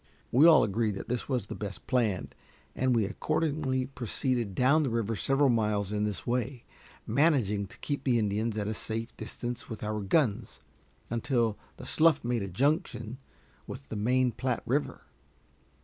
We all agreed that this was the best plan, and we accordingly proceeded down the river several miles in this way, managing to keep the Indians at a safe distance with our guns, until the slough made a junction with the main Platte River.